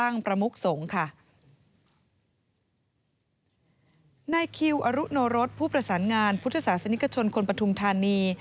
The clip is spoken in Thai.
นายคิวอรุโนรสผู้ประสานงานพุทธศาสนิกชนคนปฐุมธานี